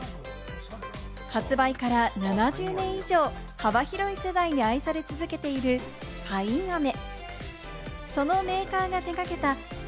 発売から７０年以上、幅広い世代に愛され続けているパインアメ。